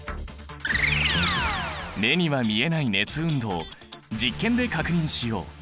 目には見えない熱運動実験で確認しよう！